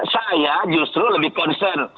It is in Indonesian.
saya justru lebih concern